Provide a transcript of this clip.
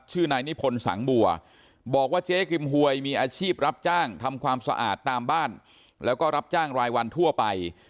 นายนิพนธ์สังบัวบอกว่าเจ๊กิมหวยมีอาชีพรับจ้างทำความสะอาดตามบ้านแล้วก็รับจ้างรายวันทั่วไป